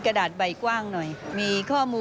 ก็ได้โอเค